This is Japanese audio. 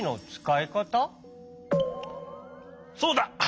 そうだ。